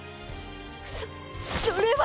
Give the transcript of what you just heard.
そっそれは。